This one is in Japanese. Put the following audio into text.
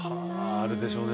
あるでしょうね